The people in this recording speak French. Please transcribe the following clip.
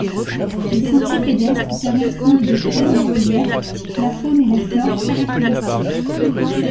Les sentiers pédestres permettront de découvrir le relief, la faune et la flore caractéristiques.